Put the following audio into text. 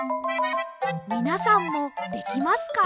みなさんもできますか？